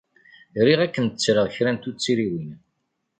Riɣ ad kem-ttreɣ kra n tuttriwin.